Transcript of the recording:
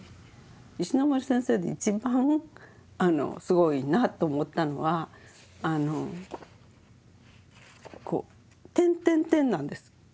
石森先生で一番すごいなと思ったのはあの「」なんです。